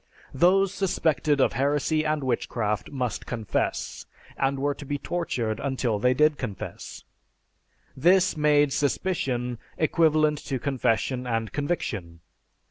Those suspected of heresy and witchcraft must confess; they were to be tortured until they did confess. This made suspicion equivalent to confession and conviction.